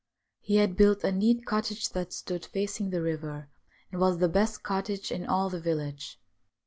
He had built a neat cottage that stood facing the river, and was the best cottage in all the village.